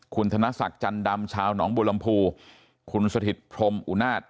คุณธนสัคจันดำชาวหนองบูลัมพูคุณสธิทพรมอุนาท